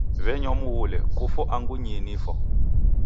W'enywa mghule, "kufo angu nyii nifo."